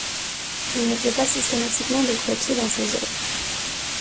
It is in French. Il ne fait pas systématiquement de croquis dans ses œuvres.